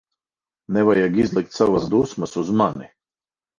Nevajag izlikt savas dusmas uz mani.